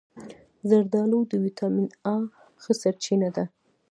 زردآلو د ویټامین A ښه سرچینه ده.